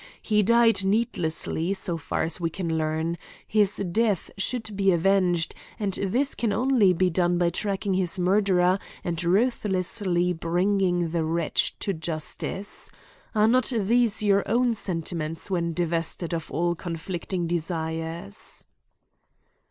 He died needlessly, so far as we can learn. His death should be avenged, and this can only be done by tracking his murderer and ruthlessly bringing the wretch to justice. Are not these your own sentiments when divested of all conflicting desires?"